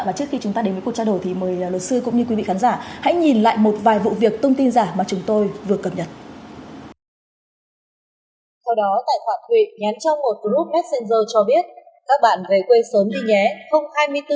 và trước khi chúng ta đến với cuộc trao đổi thì mời luật sư cũng như quý vị khán giả hãy nhìn lại một vài vụ việc tung tin giả mà chúng tôi vừa cập nhật